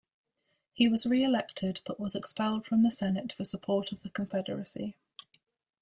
He was reelected but was expelled from the Senate for support of the Confederacy.